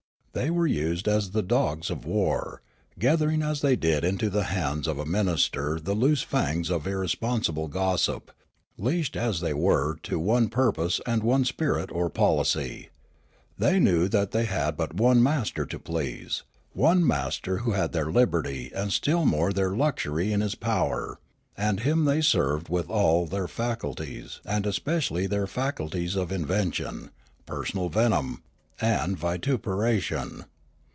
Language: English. They were used as the dogs of war, gathering as they did into the hands of a minister the loose fangs of irresponsible gossip, leashed as they were to one pur pose and one spirit or polic}'. They knew that they had but one master to please, one master who had their lil)erty and still more their luxury in his power ; and him they served with all their faculties and espe ciall}' their faculties of invention, personal venom, and vituperation.